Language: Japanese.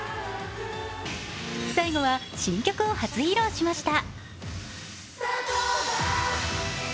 最後は新曲を初披露しました。